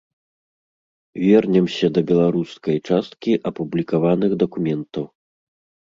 Вернемся да беларускай часткі апублікаваных дакументаў.